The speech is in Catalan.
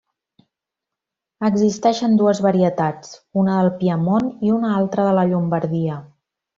Existeixen dues varietats, una del Piemont i una altra de la Llombardia.